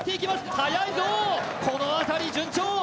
はやいぞ、この辺り、順調。